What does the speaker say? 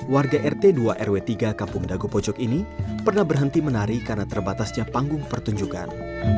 warga rt dua rw tiga kampung dago pojok ini pernah berhenti menari karena terbatasnya panggung pertunjukan